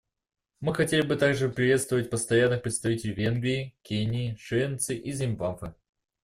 Мы хотели бы также приветствовать постоянных представителей Венгрии, Кении, Швеции и Зимбабве.